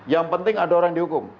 yang penting ada orang dihukum